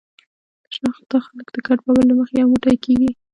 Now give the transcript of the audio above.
ناآشنا خلک د ګډ باور له مخې یو موټی کېږي.